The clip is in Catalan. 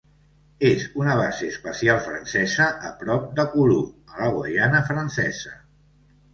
És una base espacial francesa a prop de Kourou a la Guaiana Francesa.